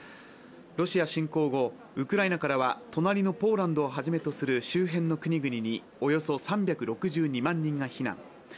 ロシア侵攻後、ウクライナからは隣のポーランドをはじめとする周辺の国々におよそ３６２万人が避難。